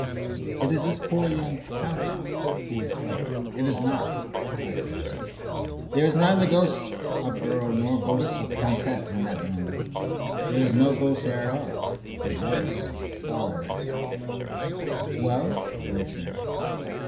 "It is his poor young countess who was frightened " "It is not," I said. "There is neither ghost of earl nor ghost of countess in that room; there is no ghost there at all, but worse, far worse, something impalpable " "Well?" they said.